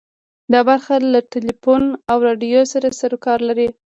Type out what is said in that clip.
دا برخه له ټلیفون او راډیو سره سروکار لري.